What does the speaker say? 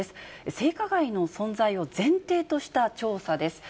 性加害の存在を前提とした調査です。